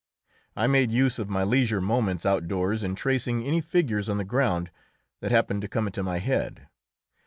I made use of my leisure moments outdoors in tracing any figures on the ground that happened to come into my head.